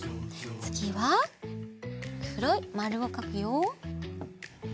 つぎはくろいまるをかくよ。